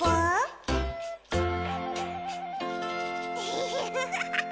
フフフフ。